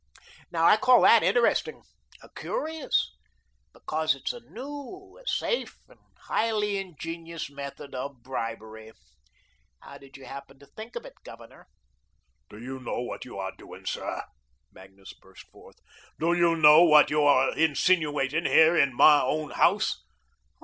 Now, I call that interesting curious, because it's a new, safe, and highly ingenious method of bribery. How did you happen to think of it, Governor?" "Do you know what you are doing, sir?" Magnus burst forth. "Do you know what you are insinuating, here, in my own house?"